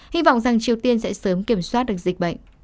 hy vọng rằng triều tiên sẽ sớm kiểm soát được dịch bệnh